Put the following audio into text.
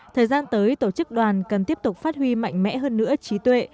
thời gian tới tổ chức đoàn cần tiếp tục phát huy mạnh mẽ hơn nữa trí tuệ